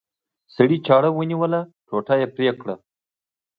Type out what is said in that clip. سړي چاړه ونیوله ټوټه یې پرې کړه.